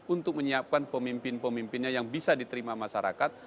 untuk menyiapkan pemimpin pemimpinnya yang bisa diterima masyarakat